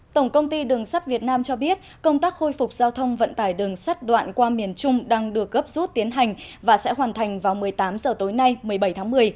tổng công ty đường sắt việt nam cho biết công tác khôi phục giao thông vận tải đường sắt đoạn qua miền trung đang được gấp rút tiến hành và sẽ hoàn thành vào một mươi tám h tối nay một mươi bảy tháng một mươi